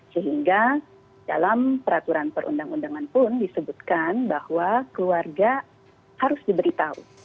sehingga dalam peraturan perundang undangan pun disebutkan bahwa keluarga harus diberitahu